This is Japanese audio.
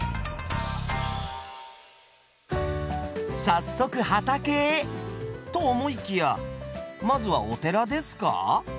早速畑へ。と思いきやまずはお寺ですか。